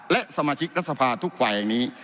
และสมาชิกรัฐสภาทุกฝ่ายแห่งนี้